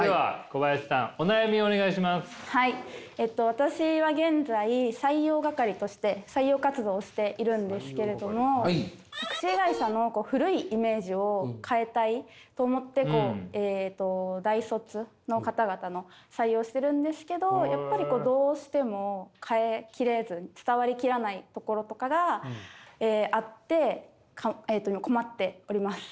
私は現在採用係として採用活動をしているんですけれどもタクシー会社の古いイメージを変えたいと思って大卒の方々の採用をしてるんですけどやっぱりどうしても変え切れず伝わり切らないところとかがあって困っております。